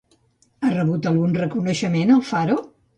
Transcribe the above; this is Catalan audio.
Ha rebut algun reconeixement Alfaro?